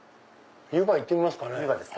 湯葉いってみますかね。